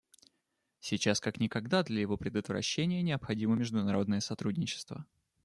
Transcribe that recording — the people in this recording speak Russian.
Сейчас как никогда для его предотвращения необходимо международное сотрудничество.